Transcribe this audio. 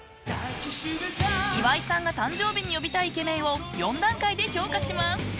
岩井さんが誕生日に呼びたいイケメンを４段階で評価します。